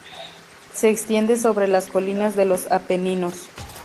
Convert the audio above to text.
Se extiende sobre las colinas de los Apeninos.